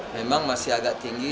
memang masih agak tinggi